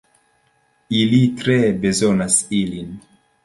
Ili tre bezonas ilin.